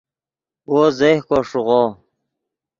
وو زیہکو ݰیغو